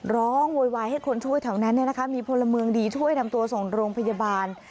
โวยวายให้คนช่วยแถวนั้นมีพลเมืองดีช่วยนำตัวส่งโรงพยาบาล